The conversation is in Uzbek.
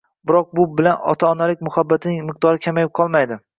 biroq bu bilan ota-onalik muhabbatining miqdori kamayib qolmaydi